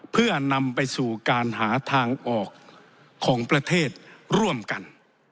เพื่อนำไปสู่การหาทางออกของประเทศร่วมกัน